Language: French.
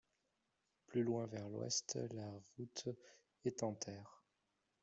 Plus loin vers l'ouest, la route est en terre.